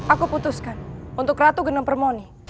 aku putuskan untuk ratu genom permoni